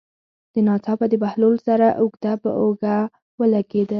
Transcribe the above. او ناڅاپه د بهلول سره اوږه په اوږه ولګېده.